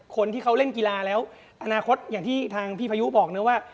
คนที่เขาเล่นกีฬาแล้วอนาคตอย่างที่ทางพี่พายุบอกนะว่า